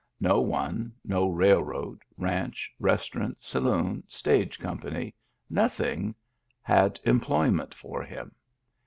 No one, no rail road, ranch, restaurant, saloon, stage company — nothing — had employment for him.